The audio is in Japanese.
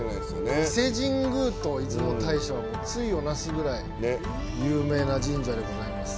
伊勢神宮と出雲大社はもうついをなすぐらいゆう名な神社でございます。